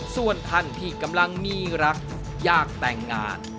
ส่วนท่านที่กำลังมีรักอยากแต่งงาน